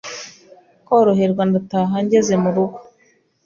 koroherwa ndataha ngeze mu rugo…………